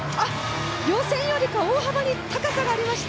予選より大幅に高さがありました！